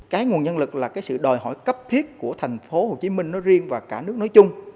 cái nguồn nhân lực là cái sự đòi hỏi cấp thiết của thành phố hồ chí minh nói riêng và cả nước nói chung